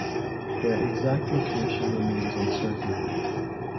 Their exact location remains uncertain.